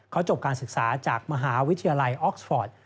เขาจบการศึกษาจากมหาวิทยาลัยออกสปอร์ต